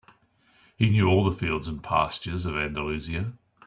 He knew all the fields and pastures of Andalusia.